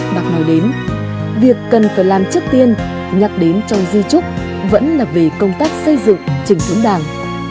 bác nói đến việc cần phải làm trước tiên nhắc đến cho di trúc vẫn là về công tác xây dựng trình thống đảng